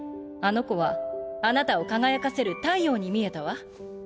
あの子はあなたを輝かせる太陽に見えたわ